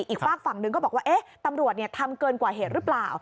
อีกฝากฝั่งหนึ่งก็บอกว่าตำรวจทำเกินกว่าเหตุหรือเปล่า